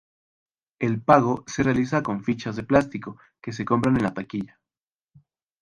El pago se realiza con fichas de plástico que se compran en la taquilla.